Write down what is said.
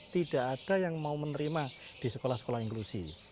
tidak ada yang mau menerima di sekolah sekolah inklusi